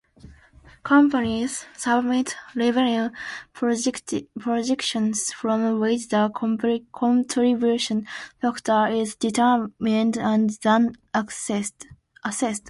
Companies submit revenue projections, from which the contribution factor is determined and then assessed.